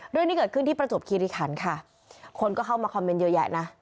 เรื่องนี้เกิดขึ้นที่ประจวบคิริขันค่ะคนก็เข้ามาคอมเมนต์เยอะแยะนะ